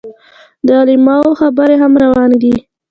د علماو خبرې هم روانې دي.